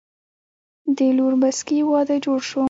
د لور بسکي وادۀ جوړ شو